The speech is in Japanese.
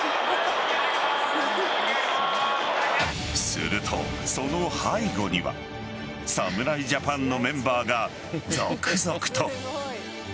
すると、その背後には侍ジャパンのメンバーが続々と。